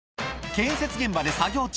建設現場で作業中。